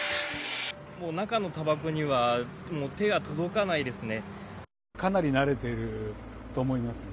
中のたばこには手が届かないですね。